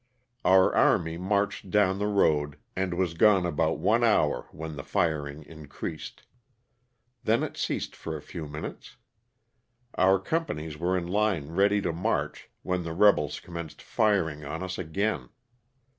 Our army marched down the road and was gone about one hour when the firing increased. Then it ceased for a few minutes. Our companies were in line ready to march when the rebels commenced firing on us again.